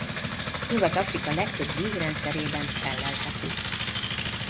Nyugat-Afrika legtöbb vízrendszerében fellelhető.